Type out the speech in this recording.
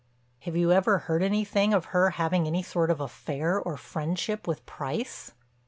"Have you ever heard anything of her having any sort of affair or friendship with Price?"